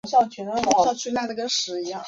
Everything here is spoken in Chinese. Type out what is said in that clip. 长穗腹水草为玄参科腹水草属下的一个种。